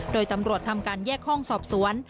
โดยตำรวจทำการแยกห้องสอบสวน